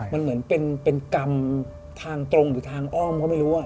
มันเหมือนเป็นกรรมทางตรงหรือทางอ้อมก็ไม่รู้